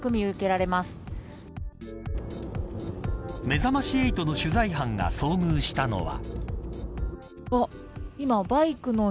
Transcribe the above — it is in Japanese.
めざまし８の取材班が遭遇したのは。